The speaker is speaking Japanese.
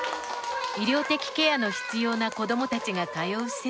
医療的ケアの必要な子どもたちが通う施設を訪れました。